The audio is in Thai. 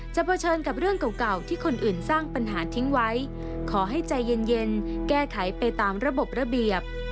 เผชิญกับเรื่องเก่าที่คนอื่นสร้างปัญหาทิ้งไว้ขอให้ใจเย็นแก้ไขไปตามระบบระเบียบ